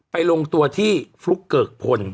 ลงตัวที่ฟลุ๊กเกิกพล